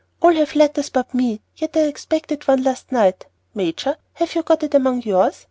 "All have letters but me, yet I expected one last night. Major, have you got it among yours?"